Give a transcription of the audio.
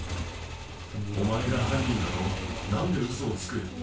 お前が犯人だろう、なんでうそをつく。